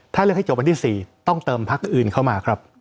ถ้าเลือกให้จบวันที่๔ต้องเติมพักอื่นเข้ามาครับ